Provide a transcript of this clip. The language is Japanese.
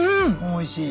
おいしい？